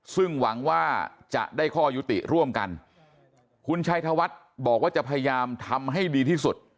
ซึ่งหวังว่าจะได้ข้อยุติร่วมกันคุณชัยธวัฒน์บอกว่าจะพยายามทำให้ดีที่สุด